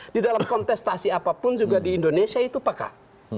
di dalam kontestasi apapun juga di indonesia itu pakar